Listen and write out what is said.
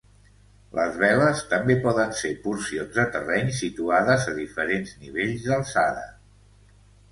Les veles també poden ser porcions de terreny situades a diferents nivells d'altura.